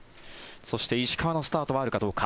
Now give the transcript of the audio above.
そして、石川のスタートがあるかどうか。